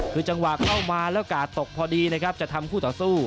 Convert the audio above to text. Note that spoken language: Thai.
คือจังหวะเข้ามาแล้วกาดตกพอดีนะครับจะทำคู่ต่อสู้